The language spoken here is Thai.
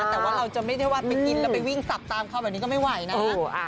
แต่ว่าเราจะไม่ได้ว่าไปกินแล้วไปวิ่งสับตามเขาแบบนี้ก็ไม่ไหวนะ